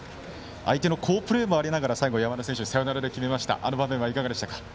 相手の好プレーもありながら最後、山田選手サヨナラで決めたあの場面はいかがでした？